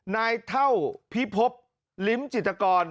นายเท่าพิพบลิ้มจิตกร